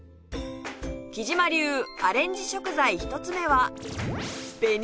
きじま流アレンジ食材１つ目は